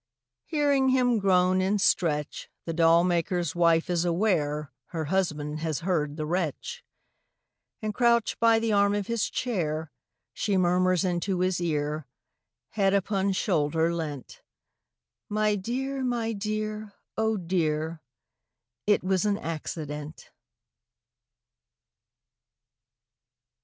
Hearing him groan and stretch The doll maker's wife is aware Her husband has heard the wretch, And crouched by the arm of his chair, She murmurs into his ear, Head upon shoulder leant: 'My dear, my dear, oh dear, It was an accident.'